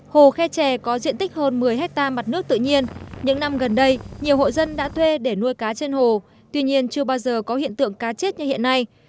hồ khe chè có diện tích hơn một mươi hectare mặt nước tự nhiên những năm gần đây nhiều hộ dân đã thuê để nuôi cá trên hồ tuy nhiên chưa bao giờ có hiện tượng cá chết như hiện nay